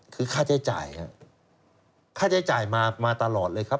คือค่าใช้จ่ายครับค่าใช้จ่ายมาตลอดเลยครับ